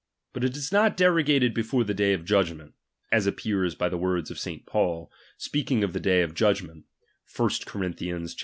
But it is not deroga ted before the day of judgment ; as appears by the words of St. Paul, speaking of the day of judgment (I Cor, xv.